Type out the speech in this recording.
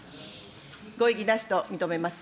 ご異議なしと認めます。